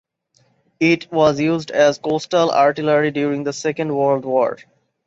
It was used as coastal artillery during the Second World War.